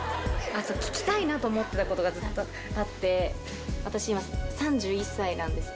聞きたいなと思ってたことがずっとあって、私、今、３１歳なんです。